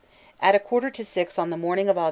At a quarter to six on the morning of Aug.